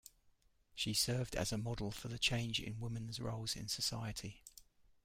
She served as a model for the change in women's roles in society.